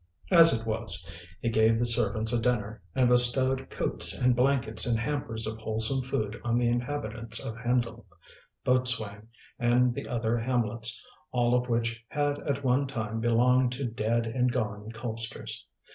As it was, he gave the servants a dinner, and bestowed coals and blankets and hampers of wholesome food on the inhabitants of Hendle, Boatwain, and the other hamlets, all of which had at one time belonged to dead and gone Colpsters.